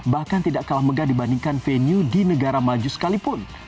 bahkan tidak kalah megah dibandingkan venue di negara maju sekalipun